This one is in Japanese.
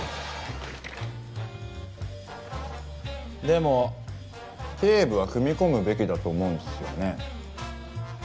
でも警部は踏み込むべきだと思うんですよね？